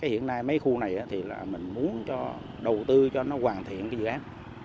hiện nay mấy khu này thì là mình muốn đầu tư cho nó hoàn thiện cái dự án